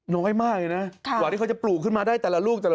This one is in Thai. น้อยมากเลยนะกว่าที่เขาจะปลูกขึ้นมาได้แต่ละลูกแต่ละ